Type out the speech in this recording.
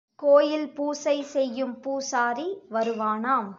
கோயில் பூசை செய்யும் பூசாரி வருவானாம்.